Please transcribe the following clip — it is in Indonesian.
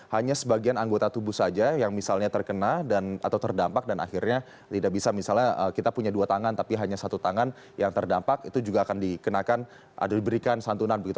hanya sebagian anggota tubuh saja yang misalnya terkena atau terdampak dan akhirnya tidak bisa misalnya kita punya dua tangan tapi hanya satu tangan yang terdampak itu juga akan dikenakan atau diberikan santunan begitu